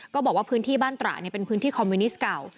บอกว่าพื้นที่บ้านตระเป็นพื้นที่คอมมิวนิสต์เก่า